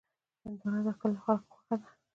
هندوانه د کلیو خلکو خوښه ده.